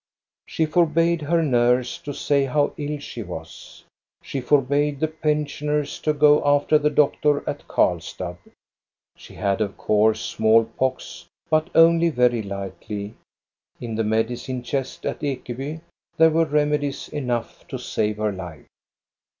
She forbade her nurse to say how ill she was ; she forbade the pensioners to go after the doctor at Karlstad. She had of course small pox, but only very lightly; in the medicine chest at Ekeby there were remedies enough to save her life.